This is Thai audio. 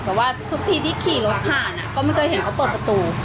แต่ว่าทุกทีที่ขี่รถผ่านก็ไม่เคยเห็นเขาเปิดประตู